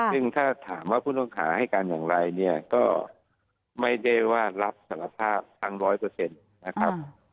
ซึ่งถ้าถามว่าผู้ต้องหาให้การอย่างไรเนี่ยก็ไม่ได้ว่ารับสารภาพทั้งร้อยเปอร์เซ็นต์นะครับ